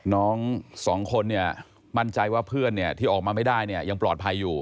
น้องสองคนเนี่ยมั่นใจว่าเพื่อนเนี่ยที่ออกมาไม่ได้เนี่ยยังปลอดภัยอยู่